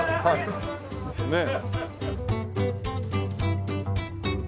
ねえ。